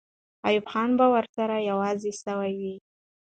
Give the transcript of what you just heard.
ایوب خان به ورسره یو ځای سوی وي.